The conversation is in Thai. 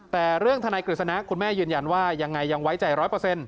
แต่เรื่องทนายกฤษณะคุณแม่ยืนยันว่ายังไงยังไว้ใจร้อยเปอร์เซ็นต